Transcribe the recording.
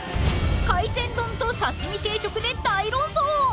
［海鮮丼と刺し身定食で大論争］